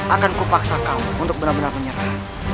akan ku paksa kau untuk benar benar menyerah